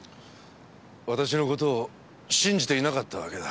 私の事を信じていなかったわけだ。